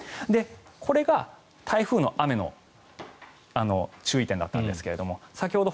これが台風の雨の注意点だったんですが先ほど